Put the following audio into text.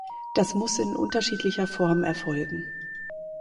Das muss in unterschiedlicher Form erfolgen.